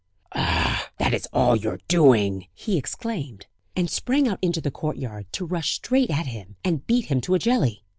"Ah! that is all your doing!" he exclaimed; and sprang out into the courtyard, to rush straight at him, and beat him to a jelly!